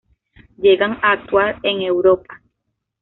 Llegan a actuar en Europa.